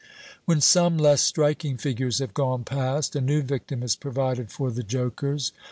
When some less striking figures have gone past, a new victim is provided for the jokers.